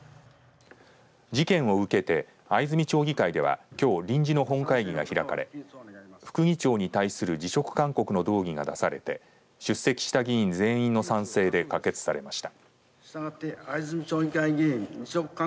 事件を受けて藍住町議会ではきょう臨時の本会議が開かれ副議長に対する辞職勧告の動議が出されて出席した議員全員の賛成で可決されました。